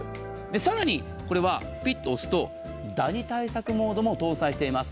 更にピッと押すとダニ対策モードも搭載しています。